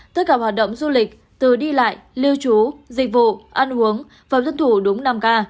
tất cả hoạt động du lịch từ đi lại lưu trú dịch vụ ăn uống và dân thủ đúng năm k